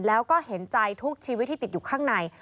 แล้วก็เห็นใจทุกชีวิตที่ติดอยู่ข้างใน